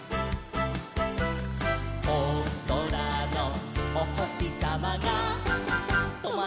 「おそらのおほしさまがとまっちゃった」